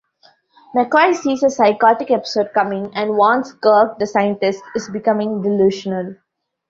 McCoy sees a psychotic episode coming, and warns Kirk the scientist is becoming delusional.